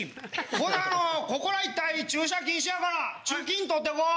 これあのここら一帯駐車禁止やから駐禁取ってこう。